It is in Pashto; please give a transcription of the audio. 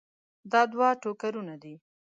دا دوه ټوکرونه دي.